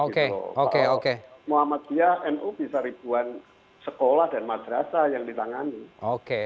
kalau muhammadiyah nu bisa ribuan sekolah dan madrasah yang ditangani